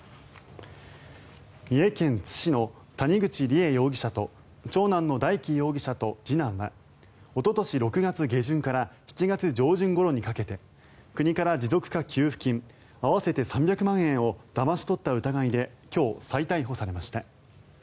三重県津市の谷口梨恵容疑者と長男の大祈容疑者と次男はおととし６月下旬から７月上旬ごろにかけて国から持続化給付金合わせて３００万円をだまし取った疑いで今日、再逮捕されました。